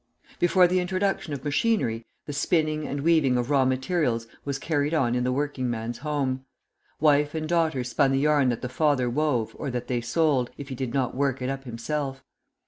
Before the introduction of machinery, the spinning and weaving of raw materials was carried on in the working man's home. Wife and daughter spun the yarn that the father wove or that they sold, if he did not work it up himself.